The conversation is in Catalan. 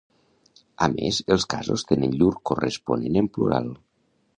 A més els casos tenen llur corresponent en plural.